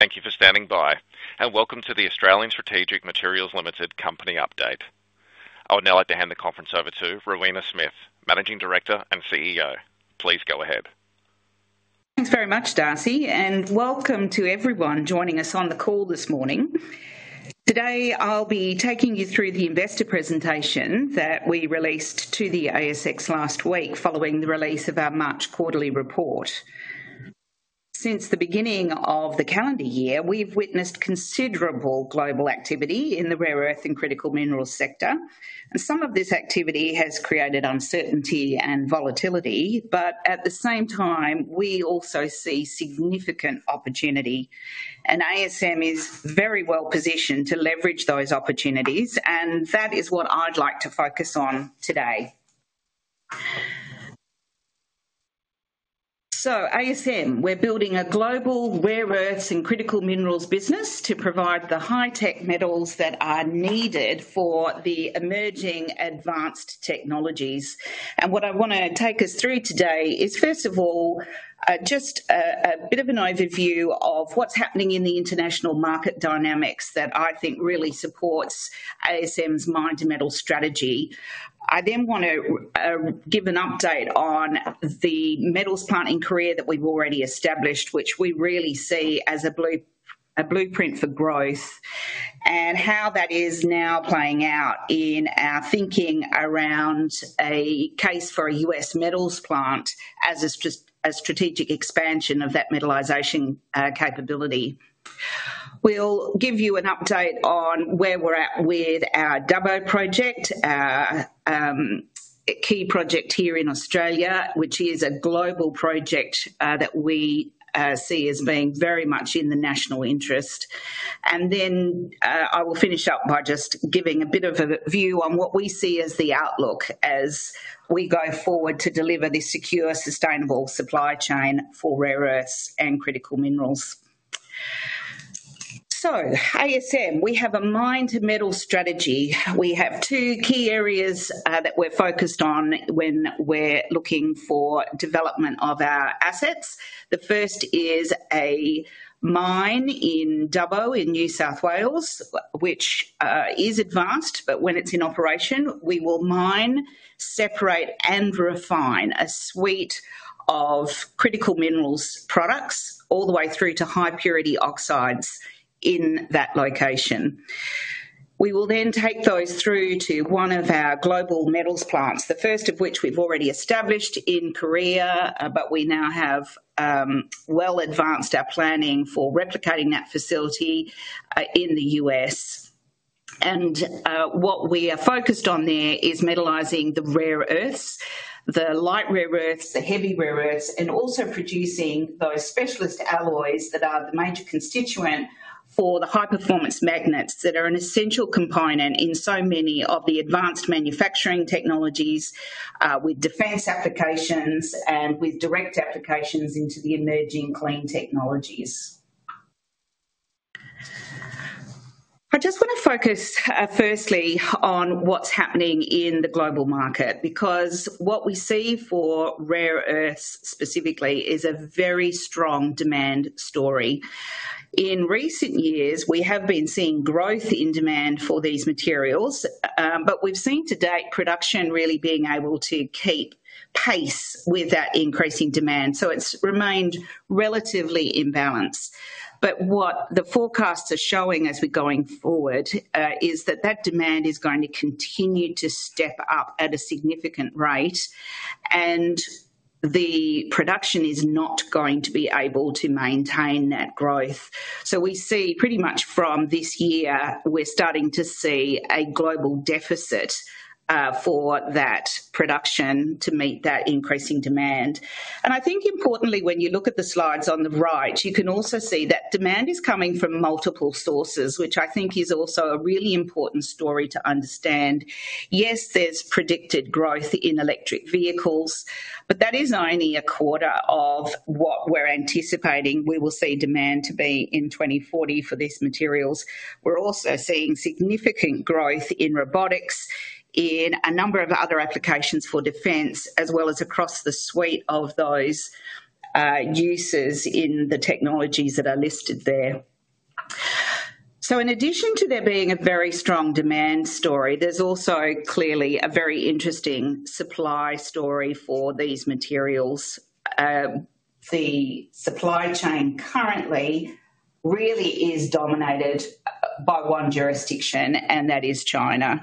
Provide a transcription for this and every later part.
Thank you for standing by, and welcome to the Australian Strategic Materials Ltd. company update. I would now like to hand the conference over to Rowena Smith, Managing Director and CEO. Please go ahead. Thanks very much, Darcy, and welcome to everyone joining us on the call this morning. Today I'll be taking you through the investor presentation that we released to the ASX last week following the release of our March quarterly report. Since the beginning of the calendar year, we've witnessed considerable global activity in the rare earth and critical minerals sector, and some of this activity has created uncertainty and volatility, but at the same time we also see significant opportunity. ASM is very well positioned to leverage those opportunities, and that is what I'd like to focus on today. ASM, we're building a global rare earths and critical minerals business to provide the high-tech metals that are needed for the emerging advanced technologies. What I want to take us through today is, first of all, just a bit of an overview of what's happening in the international market dynamics that I think really supports ASM's mined metal strategy. I then want to give an update on the metals plant in Korea that we've already established, which we really see as a blueprint for growth, and how that is now playing out in our thinking around a case for a U.S. metals plant as a strategic expansion of that metalization capability. We'll give you an update on where we're at with our Dubbo project, our key project here in Australia, which is a global project that we see as being very much in the national interest. I will finish up by just giving a bit of a view on what we see as the outlook as we go forward to deliver this secure, sustainable supply chain for rare earths and critical minerals. ASM, we have a mine to metal strategy. We have two key areas that we're focused on when we're looking for development of our assets. The first is a mine in Dubbo in New South Wales, which is advanced, but when it's in operation we will mine, separate, and refine a suite of critical minerals products all the way through to high purity oxides in that location. We will then take those through to one of our global metals plants, the first of which we've already established in Korea, but we now have well advanced our planning for replicating that facility in the U.S. What we are focused on there is metalizing the rare earths, the light rare earths, the heavy rare earths, and also producing those specialist alloys that are the major constituent for the high-performance magnets that are an essential component in so many of the advanced manufacturing technologies with defense applications and with direct applications into the emerging clean technologies. I just want to focus firstly on what's happening in the global market because what we see for rare earths specifically is a very strong demand story. In recent years, we have been seeing growth in demand for these materials, but we've seen to date production really being able to keep pace with that increasing demand, so it's remained relatively in balance. What the forecasts are showing as we're going forward is that that demand is going to continue to step up at a significant rate, and the production is not going to be able to maintain that growth. We see pretty much from this year, we're starting to see a global deficit for that production to meet that increasing demand. I think importantly when you look at the slides on the right you can also see that demand is coming from multiple sources, which I think is also a really important story to understand. Yes, there's predicted growth in electric vehicles, but that is only a quarter of what we're anticipating we will see demand to be in 2040 for these materials. We're also seeing significant growth in robotics, in a number of other applications for defense, as well as across the suite of those uses in the technologies that are listed there. In addition to there being a very strong demand story, there's also clearly a very interesting supply story for these materials. The supply chain currently really is dominated by one jurisdiction, and that is China.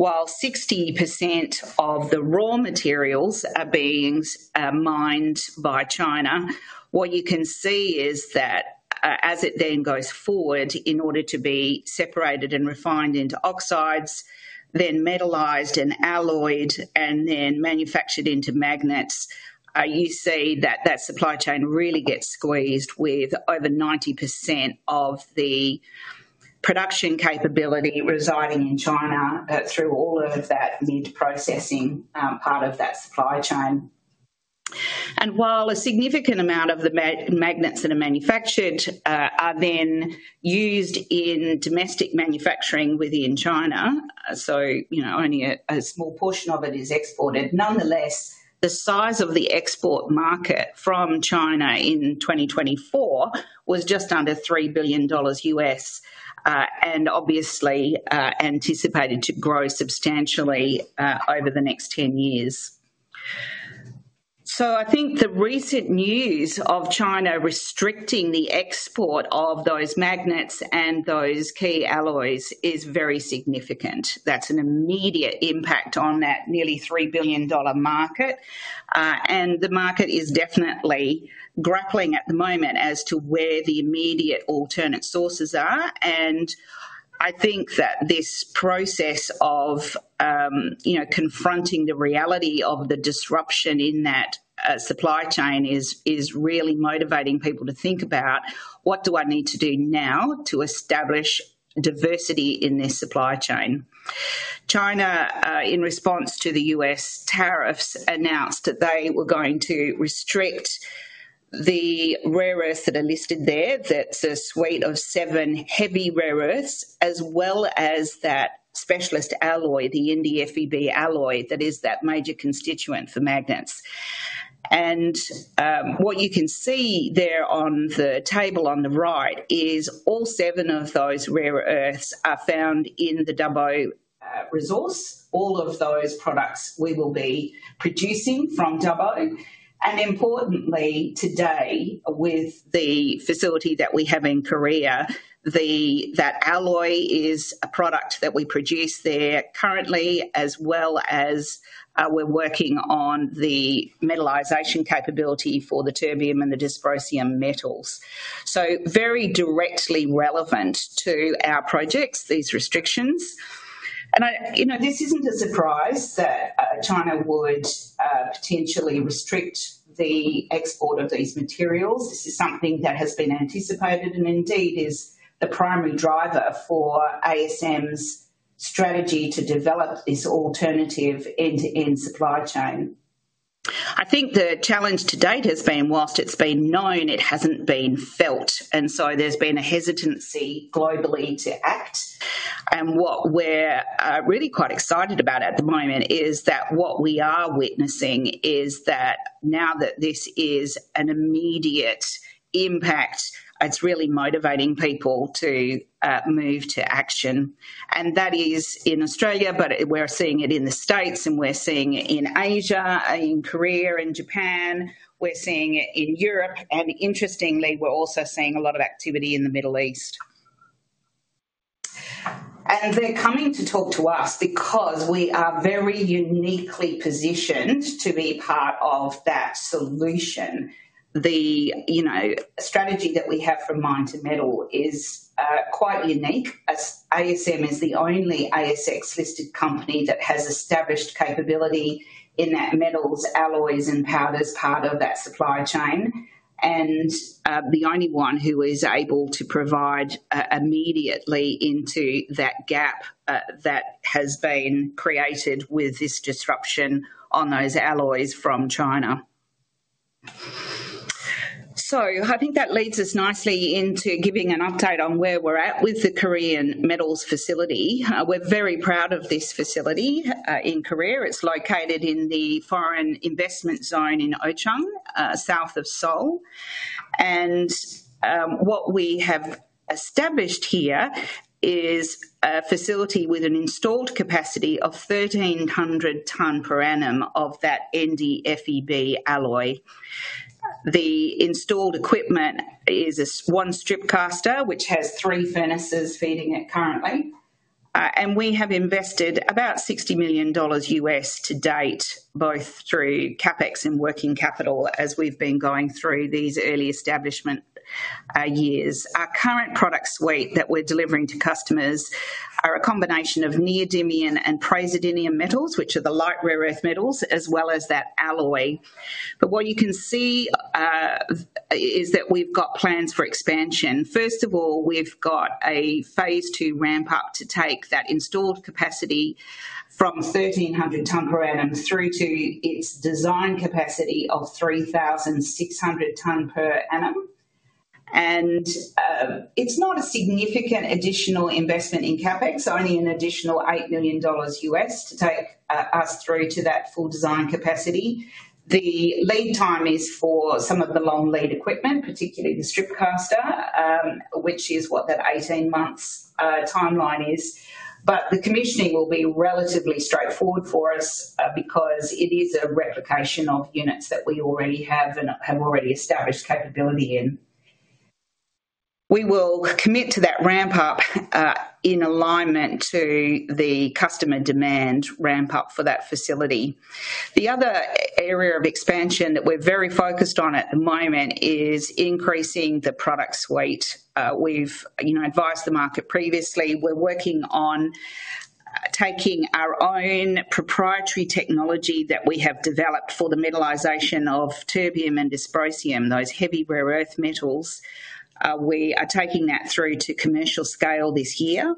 While 60% of the raw materials are being mined by China, what you can see is that as it then goes forward in order to be separated and refined into oxides, then metalized and alloyed, and then manufactured into magnets, you see that that supply chain really gets squeezed with over 90% of the production capability residing in China through all of that mid-processing part of that supply chain. While a significant amount of the magnets that are manufactured are then used in domestic manufacturing within China, only a small portion of it is exported. Nonetheless, the size of the export market from China in 2024 was just under $3 billion and obviously anticipated to grow substantially over the next 10 years. I think the recent news of China restricting the export of those magnets and those key alloys is very significant. That is an immediate impact on that nearly $3 billion market, and the market is definitely grappling at the moment as to where the immediate alternate sources are. I think that this process of confronting the reality of the disruption in that supply chain is really motivating people to think about what do I need to do now to establish diversity in this supply chain. China, in response to the U.S. tariffs, announced that they were going to restrict the rare earths that are listed there, that's a suite of seven heavy rare earths, as well as that specialist alloy, the NdFeB alloy that is that major constituent for magnets. What you can see there on the table on the right is all seven of those rare earths are found in the Dubbo resource. All of those products we will be producing from Dubbo. Importantly, today, with the facility that we have in Korea, that alloy is a product that we produce there currently, as well as we're working on the metalization capability for the terbium and the dysprosium metals. Very directly relevant to our projects, these restrictions. This isn't a surprise that China would potentially restrict the export of these materials. This is something that has been anticipated and indeed is the primary driver for ASM's strategy to develop this alternative end-to-end supply chain. I think the challenge to date has been, whilst it's been known, it hasn't been felt, and so there's been a hesitancy globally to act. What we're really quite excited about at the moment is that what we are witnessing is that now that this is an immediate impact, it's really motivating people to move to action. That is in Australia, but we're seeing it in the States, and we're seeing it in Asia, in Korea, in Japan, we're seeing it in Europe, and interestingly we're also seeing a lot of activity in the Middle East. They're coming to talk to us because we are very uniquely positioned to be part of that solution. The strategy that we have for mined metal is quite unique. ASM is the only ASX-listed company that has established capability in that metals, alloys, and powders part of that supply chain, and the only one who is able to provide immediately into that gap that has been created with this disruption on those alloys from China. I think that leads us nicely into giving an update on where we're at with the Korean metals facility. We're very proud of this facility in Korea. It's located in the foreign investment zone in Ochang, south of Seoul. What we have established here is a facility with an installed capacity of 1,300 tonnes per annum of that NdFeB alloy. The installed equipment is a one strip caster, which has three furnaces feeding it currently. We have invested about $60 million to date, both through CapEx and working capital as we've been going through these early establishment years. Our current product suite that we're delivering to customers are a combination of neodymium and praseodymium metals, which are the light rare earth metals, as well as that alloy. What you can see is that we've got plans for expansion. First of all, we've got a phase II ramp up to take that installed capacity from 1,300 tonnes per annum through to its design capacity of 3,600 tonnes per annum. It is not a significant additional investment in CapEx, only an additional $8 million to take us through to that full design capacity. The lead time is for some of the long lead equipment, particularly the strip caster, which is what that 18-month timeline is. The commissioning will be relatively straightforward for us because it is a replication of units that we already have and have already established capability in. We will commit to that ramp up in alignment to the customer demand ramp up for that facility. The other area of expansion that we're very focused on at the moment is increasing the product suite. We've advised the market previously. We're working on taking our own proprietary technology that we have developed for the metalization of terbium and dysprosium, those heavy rare earth metals. We are taking that through to commercial scale this year,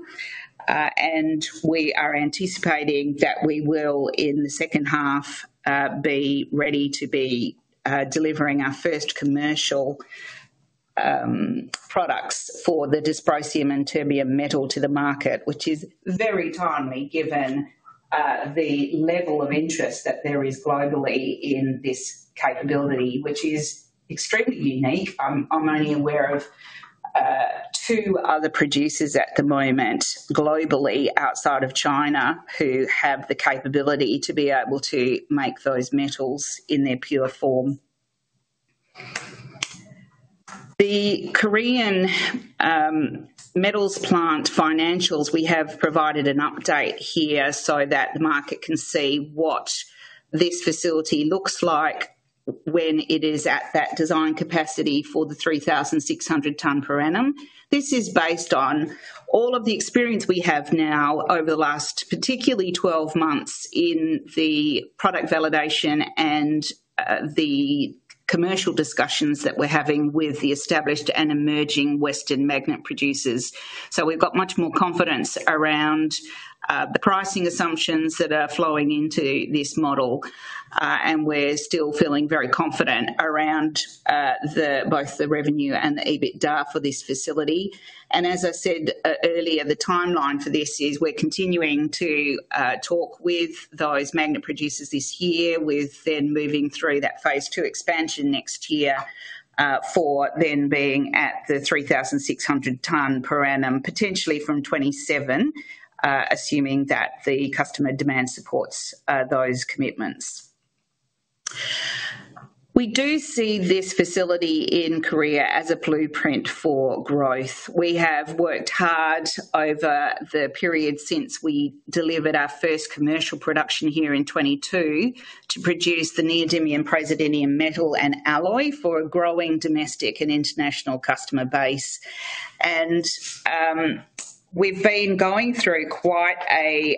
and we are anticipating that we will, in the second half, be ready to be delivering our first commercial products for the dysprosium and terbium metal to the market, which is very timely given the level of interest that there is globally in this capability, which is extremely unique. I'm only aware of two other producers at the moment globally outside of China who have the capability to be able to make those metals in their pure form. The Korean metals plant financials, we have provided an update here so that the market can see what this facility looks like when it is at that design capacity for the 3,600 tonnes per annum. This is based on all of the experience we have now over the last particularly 12 months in the product validation and the commercial discussions that we're having with the established and emerging Western magnet producers. We've got much more confidence around the pricing assumptions that are flowing into this model, and we're still feeling very confident around both the revenue and the EBITDA for this facility. As I said earlier, the timeline for this is we're continuing to talk with those magnet producers this year, with then moving through that phase II expansion next year for then being at the 3,600 tonnes per annum, potentially from 2027, assuming that the customer demand supports those commitments. We do see this facility in Korea as a blueprint for growth. We have worked hard over the period since we delivered our first commercial production here in 2022 to produce the neodymium praseodymium metal and alloy for a growing domestic and international customer base. We've been going through quite an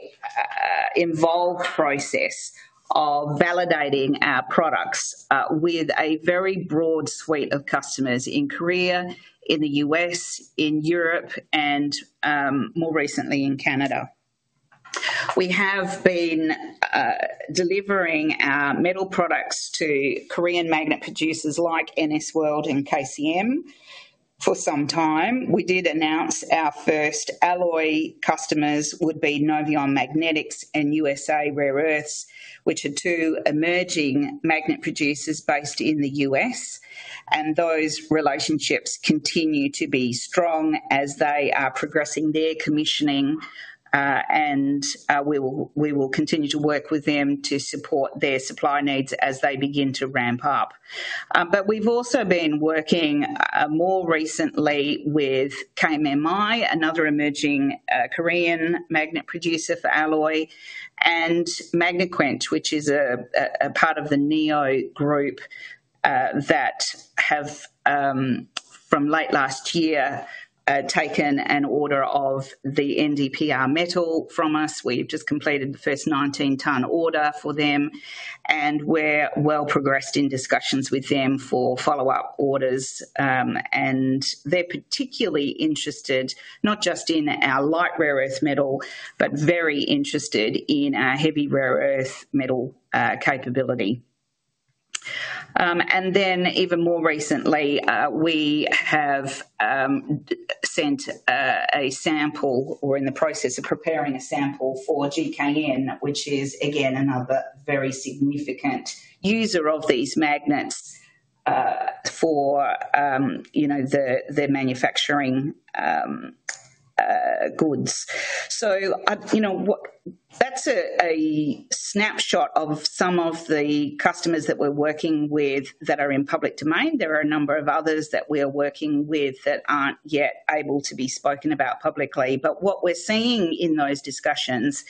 involved process of validating our products with a very broad suite of customers in Korea, in the U.S., in Europe, and more recently in Canada. We have been delivering our metal products to Korean magnet producers like NS World and KCM for some time. We did announce our first alloy customers would be Noveon Magnetics and USA Rare Earths, which are two emerging magnet producers based in the U.S. Those relationships continue to be strong as they are progressing their commissioning, and we will continue to work with them to support their supply needs as they begin to ramp up. We have also been working more recently with KMMI, another emerging Korean magnet producer for alloy, and Magnequench, which is a part of the NEO group that have, from late last year, taken an order of the NdPr metal from us. We have just completed the first 19-tonne order for them, and we are well progressed in discussions with them for follow-up orders. They are particularly interested not just in our light rare earth metal, but very interested in our heavy rare earth metal capability. Even more recently, we have sent a sample, or are in the process of preparing a sample, for GKN, which is, again, another very significant user of these magnets for their manufacturing goods. That is a snapshot of some of the customers that we are working with that are in the public domain. There are a number of others that we are working with that are not yet able to be spoken about publicly. What we're seeing in those discussions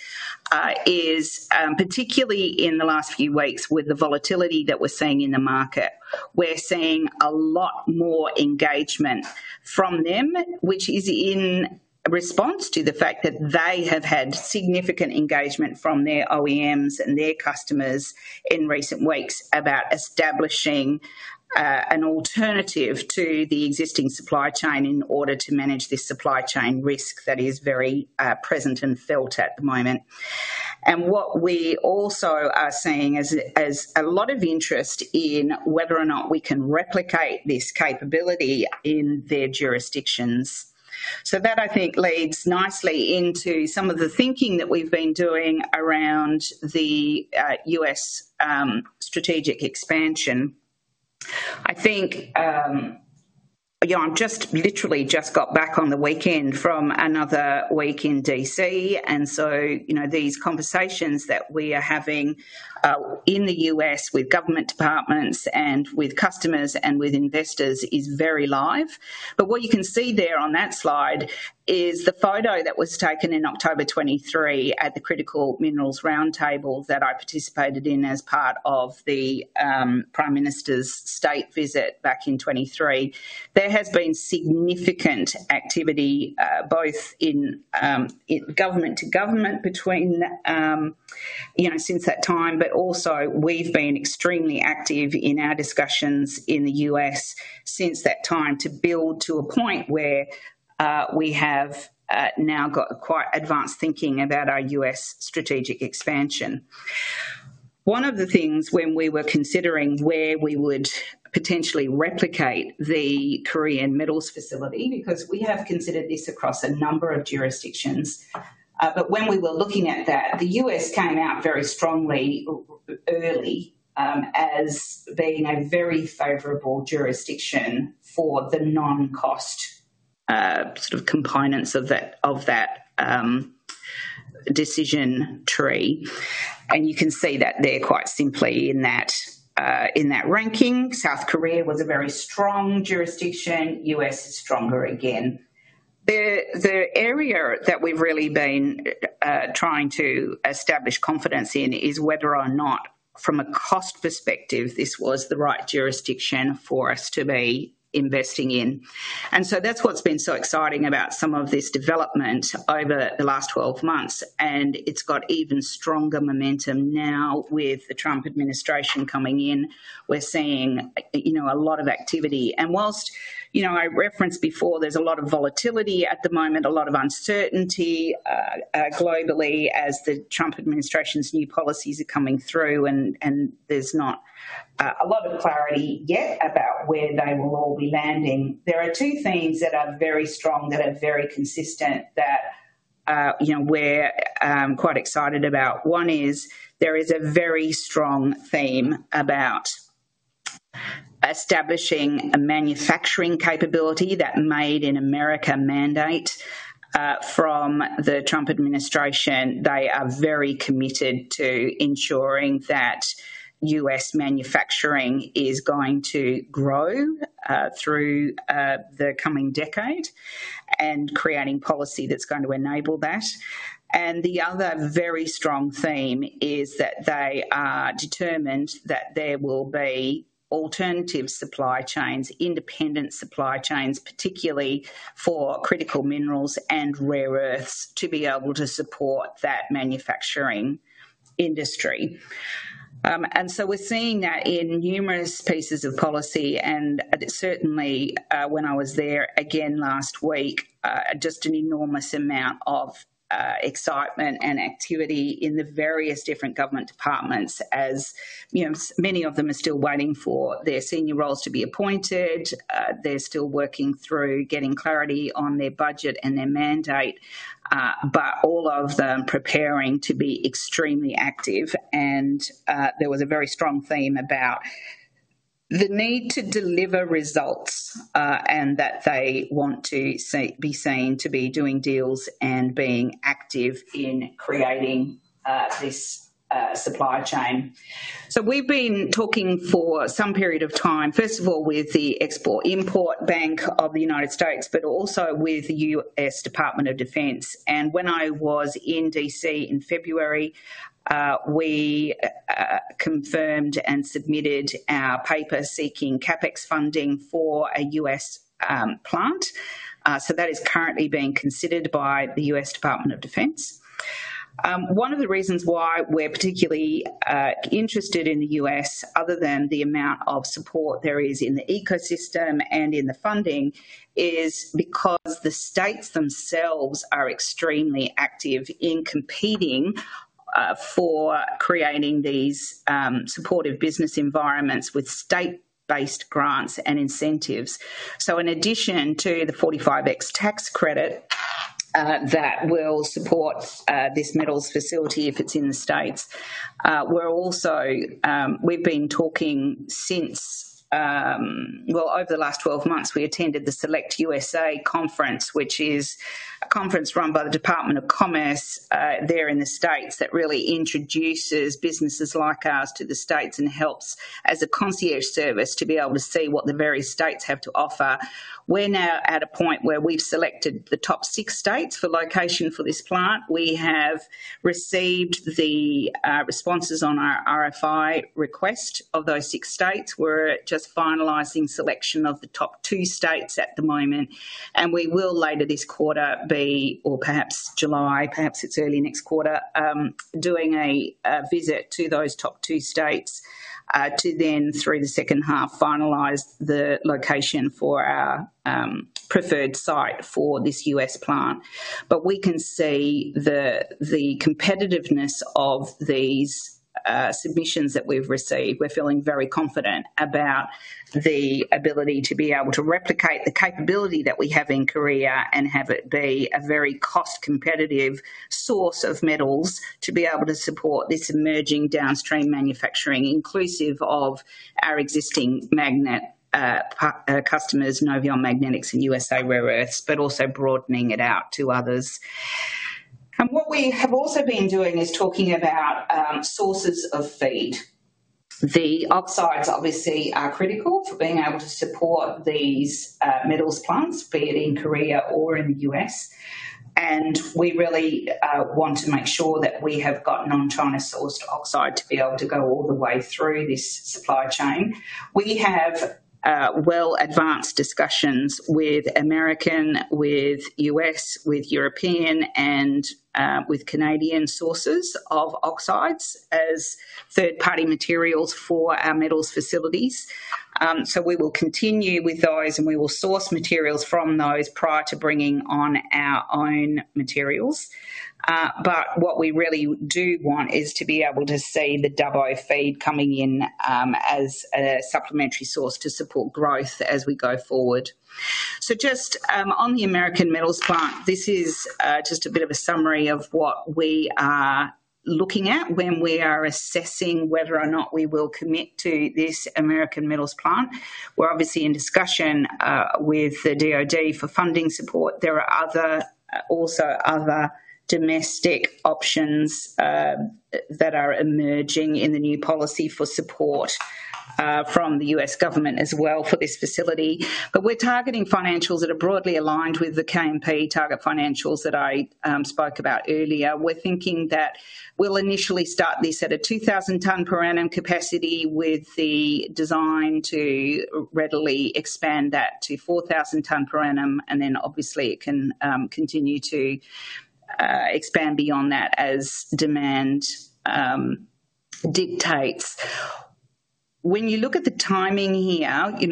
is, particularly in the last few weeks, with the volatility that we're seeing in the market, we're seeing a lot more engagement from them, which is in response to the fact that they have had significant engagement from their OEMs and their customers in recent weeks about establishing an alternative to the existing supply chain in order to manage this supply chain risk that is very present and felt at the moment. What we also are seeing is a lot of interest in whether or not we can replicate this capability in their jurisdictions. That, I think, leads nicely into some of the thinking that we've been doing around the U.S. strategic expansion. I think I just literally got back on the weekend from another week in D.C., and these conversations that we are having in the U.S. with government departments and with customers and with investors is very live. What you can see there on that slide is the photo that was taken in October 2023 at the Critical Minerals Roundtable that I participated in as part of the Prime Minister's state visit back in 2023. There has been significant activity both in government to government since that time, but also we've been extremely active in our discussions in the U.S. since that time to build to a point where we have now got quite advanced thinking about our U.S. strategic expansion. One of the things when we were considering where we would potentially replicate the Korean metals facility, because we have considered this across a number of jurisdictions, but when we were looking at that, the U.S. came out very strongly early as being a very favorable jurisdiction for the non-cost sort of components of that decision tree. You can see that there quite simply in that ranking. South Korea was a very strong jurisdiction. U.S. is stronger again. The area that we have really been trying to establish confidence in is whether or not, from a cost perspective, this was the right jurisdiction for us to be investing in. That is what has been so exciting about some of this development over the last 12 months. It has got even stronger momentum now with the Trump administration coming in. We are seeing a lot of activity. Whilst I referenced before, there's a lot of volatility at the moment, a lot of uncertainty globally as the Trump administration's new policies are coming through, and there's not a lot of clarity yet about where they will all be landing. There are two themes that are very strong, that are very consistent, that we're quite excited about. One is there is a very strong theme about establishing a manufacturing capability, that made in America mandate from the Trump administration. They are very committed to ensuring that U.S. manufacturing is going to grow through the coming decade and creating policy that's going to enable that. The other very strong theme is that they are determined that there will be alternative supply chains, independent supply chains, particularly for critical minerals and rare earths, to be able to support that manufacturing industry. We're seeing that in numerous pieces of policy. Certainly, when I was there again last week, just an enormous amount of excitement and activity in the various different government departments, as many of them are still waiting for their senior roles to be appointed. They're still working through getting clarity on their budget and their mandate, but all of them preparing to be extremely active. There was a very strong theme about the need to deliver results and that they want to be seen to be doing deals and being active in creating this supply chain. We've been talking for some period of time, first of all, with the Export-Import Bank of the United States, but also with the United States Department of Defense. When I was in D.C. in February, we confirmed and submitted our paper seeking CapEx funding for a U.S. plant. That is currently being considered by the United States Department of Defense. One of the reasons why we're particularly interested in the U.S., other than the amount of support there is in the ecosystem and in the funding, is because the states themselves are extremely active in competing for creating these supportive business environments with state-based grants and incentives. In addition to the 45X tax credit that will support this metals facility if it's in the states, we've been talking since, well, over the last 12 months, we attended the SelectUSA conference, which is a conference run by the Department of Commerce there in the states that really introduces businesses like ours to the states and helps as a concierge service to be able to see what the various states have to offer. We're now at a point where we've selected the top six states for location for this plant. We have received the responses on our RFI request of those six states. We're just finalizing selection of the top two states at the moment. We will, later this quarter, be or perhaps July, perhaps it's early next quarter, doing a visit to those top two states to then, through the second half, finalize the location for our preferred site for this U.S. plant. We can see the competitiveness of these submissions that we've received. We're feeling very confident about the ability to be able to replicate the capability that we have in Korea and have it be a very cost-competitive source of metals to be able to support this emerging downstream manufacturing, inclusive of our existing magnet customers, Noveon Magnetics and USA Rare Earths, but also broadening it out to others. What we have also been doing is talking about sources of feed. The oxides, obviously, are critical for being able to support these metals plants, be it in Korea or in the U.S. We really want to make sure that we have got non-China-sourced oxide to be able to go all the way through this supply chain. We have well-advanced discussions with American, with U.S, with European, and with Canadian sources of oxides as third-party materials for our metals facilities. We will continue with those, and we will source materials from those prior to bringing on our own materials. What we really do want is to be able to see the Dubbo feed coming in as a supplementary source to support growth as we go forward. Just on the American metals plant, this is just a bit of a summary of what we are looking at when we are assessing whether or not we will commit to this American metals plant. We're obviously in discussion with the DoD for funding support. There are also other domestic options that are emerging in the new policy for support from the U.S. government as well for this facility. We're targeting financials that are broadly aligned with the KNP target financials that I spoke about earlier. We're thinking that we'll initially start this at a 2,000-tonne per annum capacity with the design to readily expand that to 4,000-tonne per annum, and then obviously it can continue to expand beyond that as demand dictates. When you look at the timing here,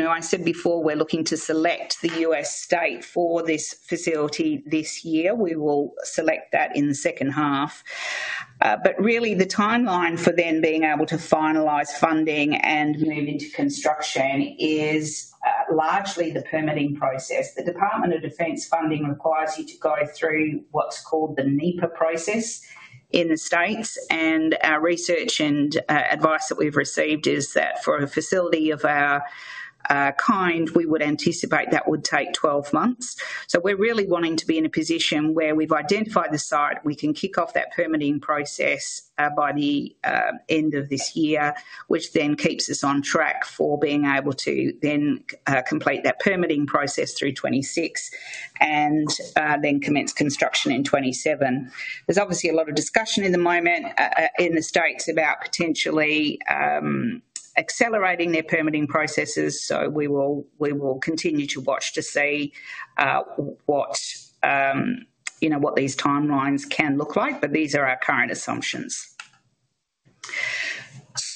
I said before we're looking to select the U.S. state for this facility this year. We will select that in the second half. Really, the timeline for then being able to finalise funding and move into construction is largely the permitting process. The Department of Defense funding requires you to go through what's called the NEPA process in the states. Our research and advice that we've received is that for a facility of our kind, we would anticipate that would take 12 months. We're really wanting to be in a position where we've identified the site, we can kick off that permitting process by the end of this year, which then keeps us on track for being able to then complete that permitting process through 2026 and then commence construction in 2027. There's obviously a lot of discussion at the moment in the states about potentially accelerating their permitting processes. We will continue to watch to see what these timelines can look like, but these are our current assumptions.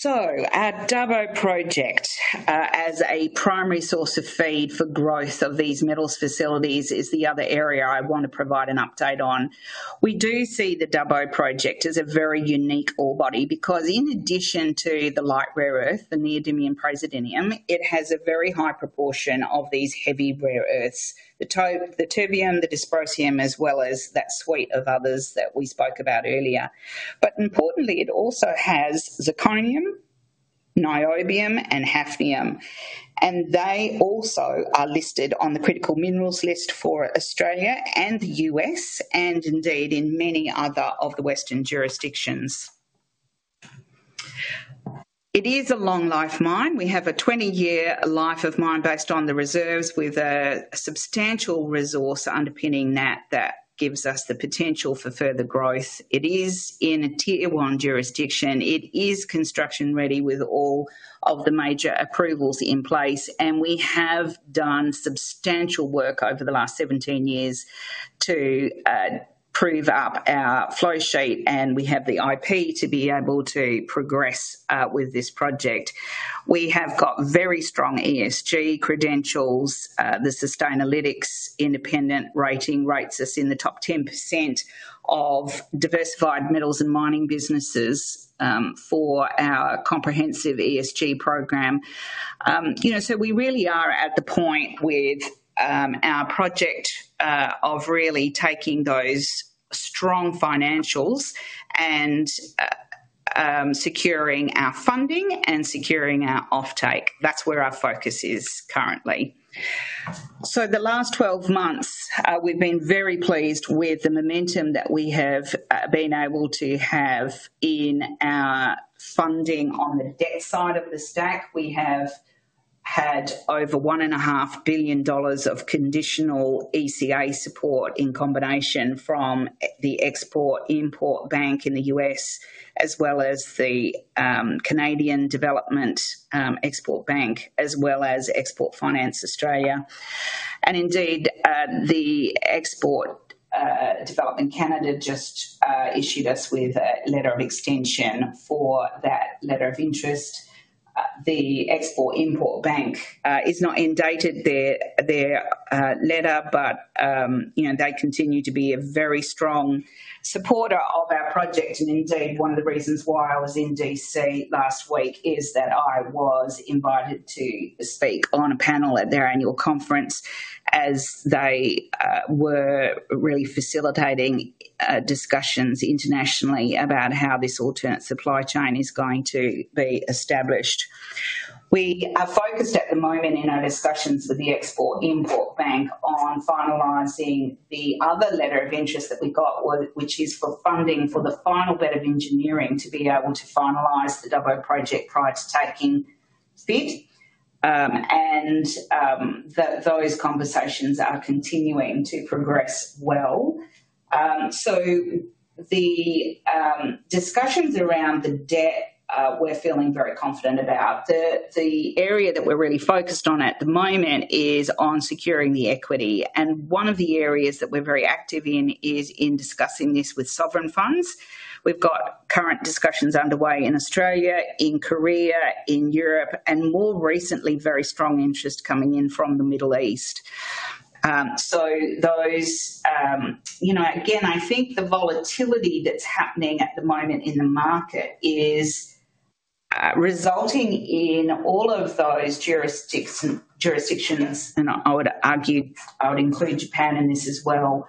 Our Dubbo project, as a primary source of feed for growth of these metals facilities, is the other area I want to provide an update on. We do see the Dubbo project as a very unique orebody because in addition to the light rare earth, the neodymium and praseodymium, it has a very high proportion of these heavy rare earths, the terbium, the dysprosium, as well as that suite of others that we spoke about earlier. Importantly, it also has zirconium, niobium, and hafnium. They also are listed on the critical minerals list for Australia and the U.S., and indeed in many other of the Western jurisdictions. It is a long-life mine. We have a 20-year life of mine based on the reserves with a substantial resource underpinning that that gives us the potential for further growth. It is in a tier-one jurisdiction. It is construction-ready with all of the major approvals in place. We have done substantial work over the last 17 years to prove up our flow sheet, and we have the IP to be able to progress with this project. We have got very strong ESG credentials. The Sustainalytics independent rating rates us in the top 10% of diversified metals and mining businesses for our comprehensive ESG program. We really are at the point with our project of really taking those strong financials and securing our funding and securing our offtake. That's where our focus is currently. The last 12 months, we've been very pleased with the momentum that we have been able to have in our funding on the debt side of the stack. We have had over $1.5 billion of conditional ECA support in combination from the Export-Import Bank in the U.S., as well as the Canadian Development Export Bank, as well as Export Finance Australia. Indeed, the Export Development Canada just issued us with a letter of extension for that letter of interest. The Export-Import Bank has not dated their letter, but they continue to be a very strong supporter of our project. One of the reasons why I was in Washington D.C. last week is that I was invited to speak on a panel at their annual conference as they were really facilitating discussions internationally about how this alternate supply chain is going to be established. We are focused at the moment in our discussions with the Export-Import Bank on finalizing the other letter of interest that we got, which is for funding for the final bit of engineering to be able to finalize the Dubbo project prior to taking feed. Those conversations are continuing to progress well. The discussions around the debt, we're feeling very confident about. The area that we're really focused on at the moment is on securing the equity. One of the areas that we're very active in is in discussing this with sovereign funds. We've got current discussions underway in Australia, in Korea, in Europe, and more recently, very strong interest coming in from the Middle East. Those again, I think the volatility that's happening at the moment in the market is resulting in all of those jurisdictions, and I would argue I would include Japan in this as well,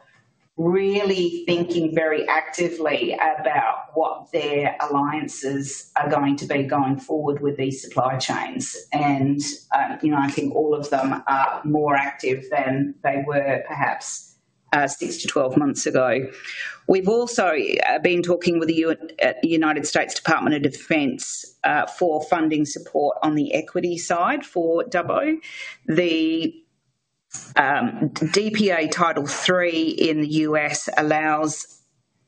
really thinking very actively about what their alliances are going to be going forward with these supply chains. I think all of them are more active than they were perhaps six to twelve months ago. We've also been talking with the United States Department of Defence for funding support on the equity side for Dubbo. The DPA Title III in the U.S. allows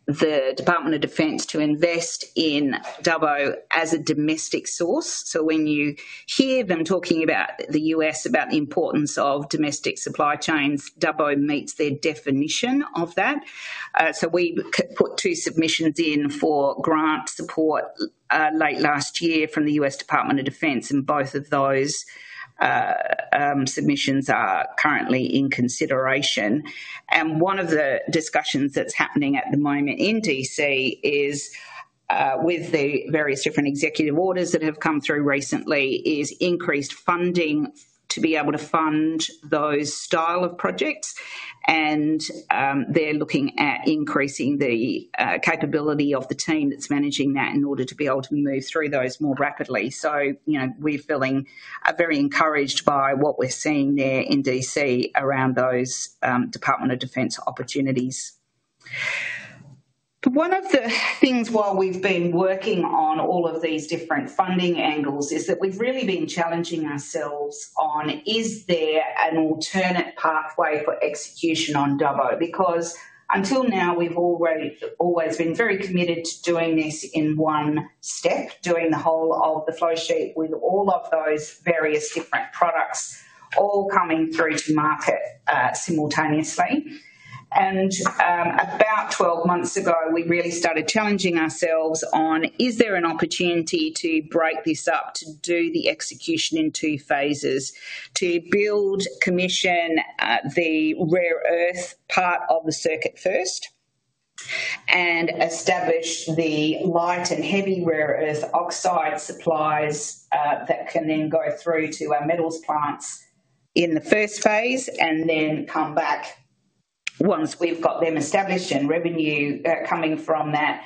the Department of Defense to invest in Dubbo as a domestic source. When you hear them talking about the U.S., about the importance of domestic supply chains, Dubbo meets their definition of that. We put two submissions in for grant support late last year from the U.S. Department of Defense, and both of those submissions are currently in consideration. One of the discussions that is happening at the moment in D.C. is with the various different executive orders that have come through recently, there is increased funding to be able to fund those style of projects. They are looking at increasing the capability of the team that is managing that in order to be able to move through those more rapidly. We are feeling very encouraged by what we are seeing there in D.C. around those Department of Defense opportunities. One of the things while we've been working on all of these different funding angles is that we've really been challenging ourselves on, is there an alternate pathway for execution on Dubbo? Because until now, we've always been very committed to doing this in one step, doing the whole of the flow sheet with all of those various different products all coming through to market simultaneously. About 12 months ago, we really started challenging ourselves on, is there an opportunity to break this up to do the execution in two phases, to build, commission the rare earth part of the circuit first, and establish the light and heavy rare earth oxide supplies that can then go through to our metals plants in the first phase and then come back once we've got them established and revenue coming from that,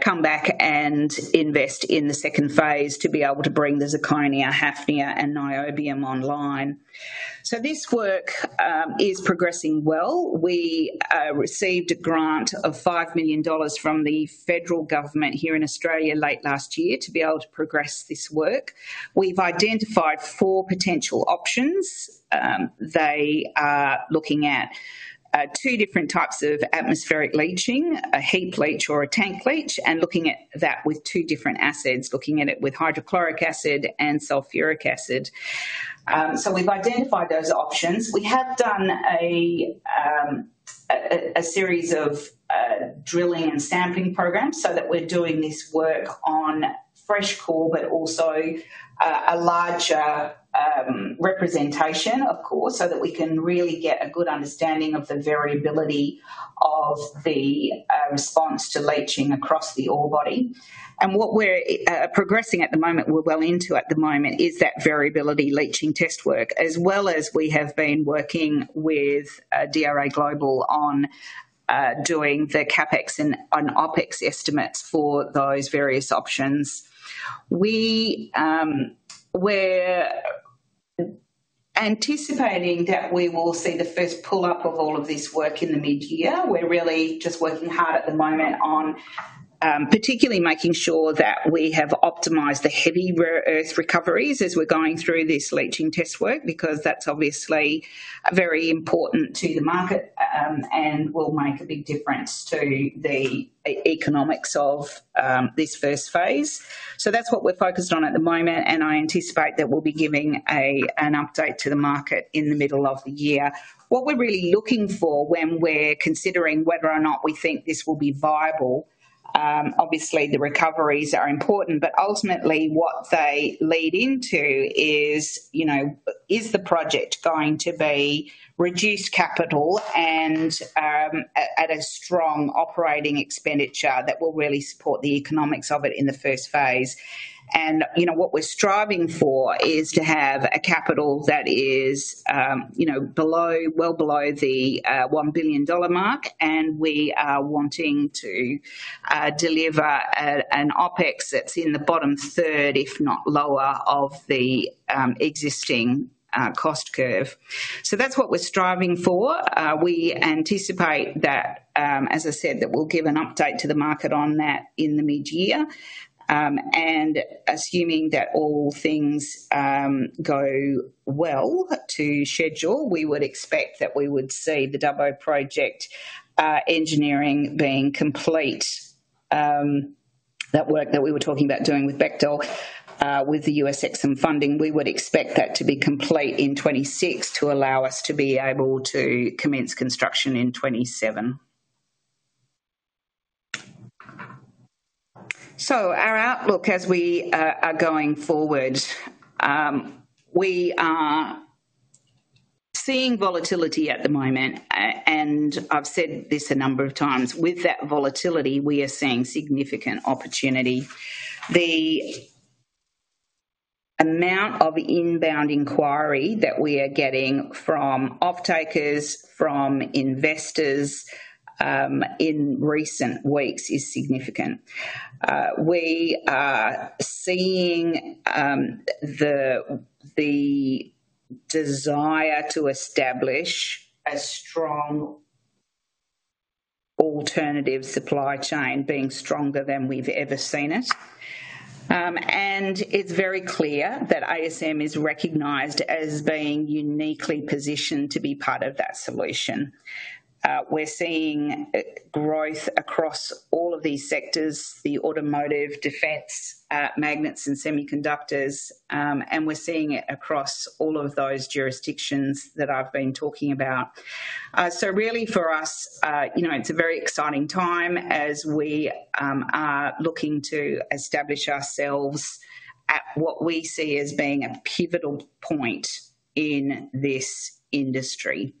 come back and invest in the second phase to be able to bring the zirconia, hafnia, and niobium online. This work is progressing well. We received a grant of $5 million from the federal government here in Australia late last year to be able to progress this work. We've identified four potential options. They are looking at two different types of atmospheric leaching, a heap leach or a tank leach, and looking at that with two different acids, looking at it with hydrochloric acid and sulfuric acid. We have identified those options. We have done a series of drilling and sampling programs so that we are doing this work on fresh coal, but also a larger representation, of course, so that we can really get a good understanding of the variability of the response to leaching across the ore body. What we are progressing at the moment, we are well into at the moment, is that variability leaching test work, as well as we have been working with DRA Global on doing the CapEx and OpEx estimates for those various options. We are anticipating that we will see the first pull-up of all of this work in the mid-year. We're really just working hard at the moment on particularly making sure that we have optimized the heavy rare earth recoveries as we're going through this leaching test work because that's obviously very important to the market and will make a big difference to the economics of this first phase. That is what we're focused on at the moment, and I anticipate that we'll be giving an update to the market in the middle of the year. What we're really looking for when we're considering whether or not we think this will be viable, obviously the recoveries are important, but ultimately what they lead into is, is the project going to be reduced capital and at a strong operating expenditure that will really support the economics of it in the first phase? What we're striving for is to have a capital that is well below the $1 billion mark, and we are wanting to deliver an OpEx that's in the bottom third, if not lower, of the existing cost curve. That is what we're striving for. We anticipate that, as I said, we'll give an update to the market on that in the mid-year. Assuming that all things go well to schedule, we would expect that we would see the Dubbo project engineering being complete, that work that we were talking about doing with Bechtel, with the U.S. Exim funding. We would expect that to be complete in 2026 to allow us to be able to commence construction in 2027. Our outlook as we are going forward, we are seeing volatility at the moment. I've said this a number of times, with that volatility, we are seeing significant opportunity. The amount of inbound inquiry that we are getting from off-takers, from investors in recent weeks is significant. We are seeing the desire to establish a strong alternative supply chain being stronger than we've ever seen it. It is very clear that ASM is recognised as being uniquely positioned to be part of that solution. We're seeing growth across all of these sectors, the automotive, defence, magnets, and semiconductors, and we're seeing it across all of those jurisdictions that I've been talking about. For us, it's a very exciting time as we are looking to establish ourselves at what we see as being a pivotal point in this industry.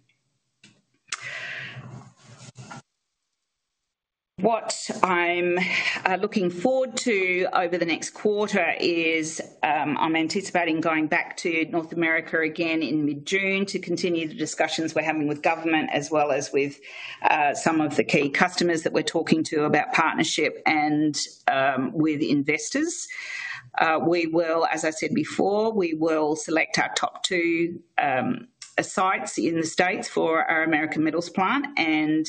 What I'm looking forward to over the next quarter is I'm anticipating going back to North America again in mid-June to continue the discussions we're having with government as well as with some of the key customers that we're talking to about partnership and with investors. We will, as I said before, select our top two sites in the States for our American metals plant and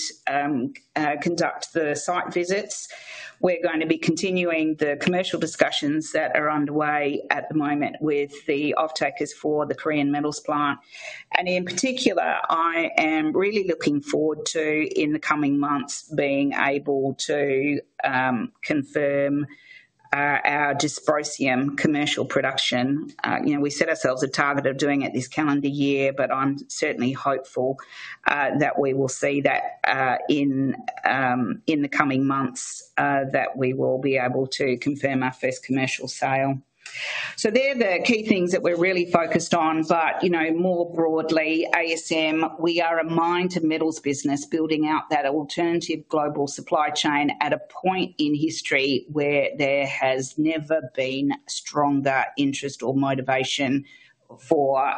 conduct the site visits. We're going to be continuing the commercial discussions that are underway at the moment with the off-takers for the Korean metals plant. In particular, I am really looking forward to, in the coming months, being able to confirm our dysprosium commercial production. We set ourselves a target of doing it this calendar year, but I'm certainly hopeful that we will see that in the coming months that we will be able to confirm our first commercial sale. They're the key things that we're really focused on. More broadly, ASM, we are a mine to metals business building out that alternative global supply chain at a point in history where there has never been stronger interest or motivation for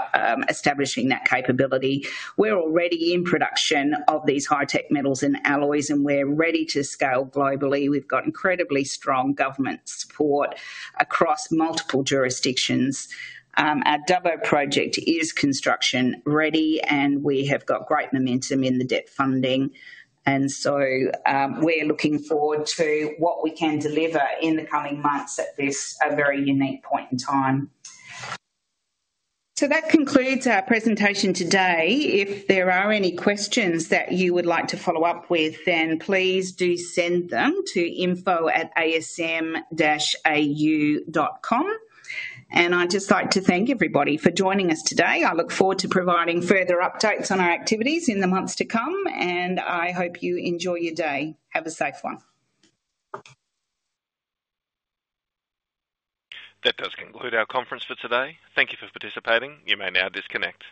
establishing that capability. We're already in production of these high-tech metals and alloys, and we're ready to scale globally. We've got incredibly strong government support across multiple jurisdictions. Our Dubbo project is construction ready, and we have got great momentum in the debt funding. We're looking forward to what we can deliver in the coming months at this very unique point in time. That concludes our presentation today. If there are any questions that you would like to follow up with, please do send them to info@asm-au.com. I'd just like to thank everybody for joining us today. I look forward to providing further updates on our activities in the months to come, and I hope you enjoy your day. Have a safe one. That does conclude our conference for today. Thank you for participating. You may now disconnect.